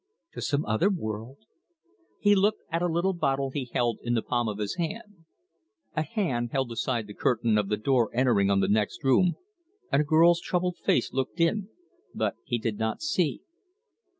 To some other world? He looked at a little bottle he held in the palm of his hand. A hand held aside the curtain of the door entering on the next room, and a girl's troubled face looked in, but he did not see.